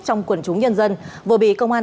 trong quần chúng nhân dân vừa bị công an